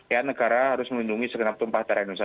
ya negara harus melindungi segenap tumpah darah indonesia